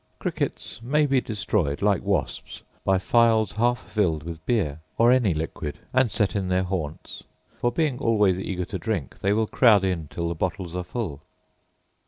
Crickets may be destroyed, like wasps, by phials half fined with beer, or any liquid, and set in their haunts; for, being always eager to drink, they will crowd in till the bottles are full.